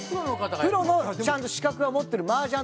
プロのちゃんと資格を持ってる麻雀の。